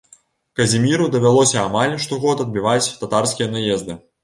Казіміру давялося амаль штогод адбіваць татарскія наезды.